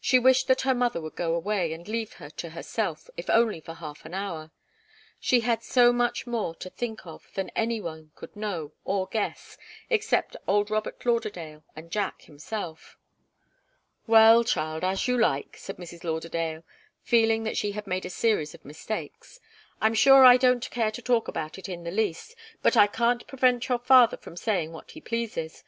She wished that her mother would go away, and leave her to herself, if only for half an hour. She had so much more to think of than any one could know, or guess except old Robert Lauderdale and Jack himself. "Well, child as you like," said Mrs. Lauderdale, feeling that she had made a series of mistakes. "I'm sure I don't care to talk about it in the least, but I can't prevent your father from saying what he pleases.